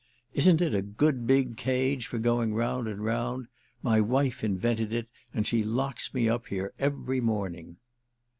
"Isn't it a good big cage for going round and round? My wife invented it and she locks me up here every morning."